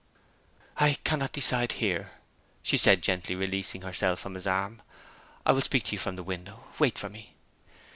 'I cannot decide here,' she said gently, releasing herself from his arm; 'I will speak to you from the window. Wait for me.'